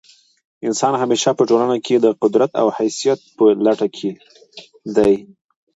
انسان همېشه په ټولنه کښي د قدرت او حیثیت په لټه کښي دئ.